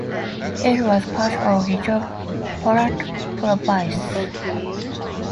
It was part of Little Poland province.